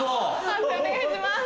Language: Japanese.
判定お願いします。